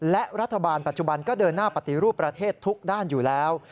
และรัฐบาลปัจจุบันก็เดินหน้าปฏิรูปประเทศทุกด้านอยู่แล้ว